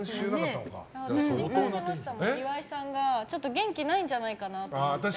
岩井さんが元気ないんじゃないかなと思って。